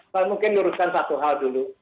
saya mungkin luruskan satu hal dulu